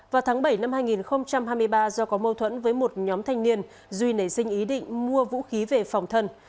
vào tháng bảy năm hai nghìn hai mươi ba do có mâu thuẫn với một nhóm thanh niên duy nảy sinh ý định mua vũ khí về phòng thân